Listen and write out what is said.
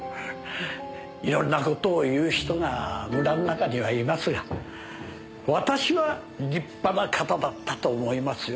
色んな事を言う人が村の中にはいますが私は立派な方だったと思いますよ。